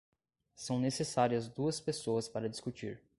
São necessárias duas pessoas para discutir.